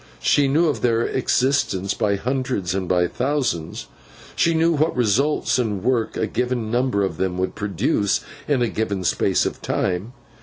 She knew of their existence by hundreds and by thousands. She knew what results in work a given number of them would produce in a given space of time.